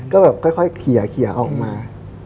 ก็ค่อยเขียนออกมา